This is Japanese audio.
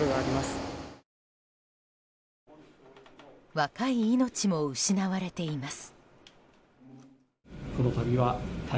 若い命も失われています。